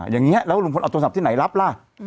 อย่างนี้แล้วลุงพลเอาโทรศัพท์ที่ไหนรับล่ะ